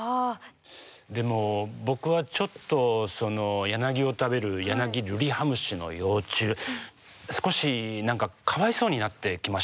でも僕はちょっとヤナギを食べるヤナギルリハムシの幼虫少し何かかわいそうになってきましたね。